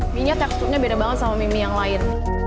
mie nya teksturnya beda banget sama mie mie yang lain